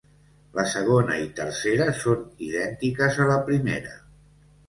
La segona i tercera són idèntiques a la primera.